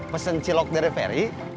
pesen cilok dari ferry